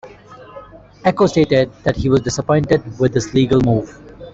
Ecko stated that he was disappointed with this legal move.